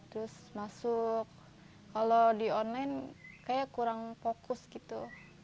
terus masuk kalau di online kayaknya kurang fokus gitu